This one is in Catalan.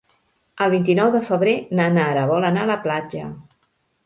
El vint-i-nou de febrer na Nara vol anar a la platja.